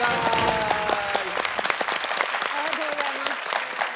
ありがとうございます。